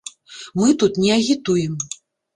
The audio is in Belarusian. Мы тут не агітуем.